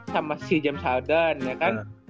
sama si james saldan ya kan